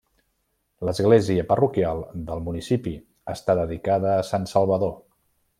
L'església parroquial del municipi està dedicada a Sant Salvador.